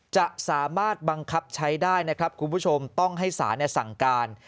จะสามารถบังคับใช้ได้นะครับคุณผู้ชมต้องให้ศาลสั่งการ